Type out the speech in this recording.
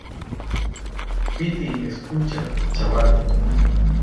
piti, escucha , chaval.